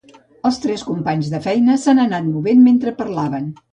Els tres companys de feina s'han anat movent mentre parlaven.